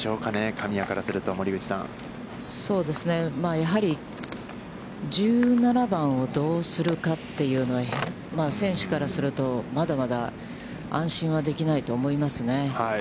神谷からすると、森口さん。やはり１７番をどうするかというのは、選手からすると、まだまだ安心はできないと思いますね。